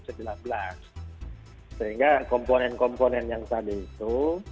sehingga komponen komponen yang tadi itu